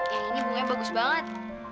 ini bunganya bagus banget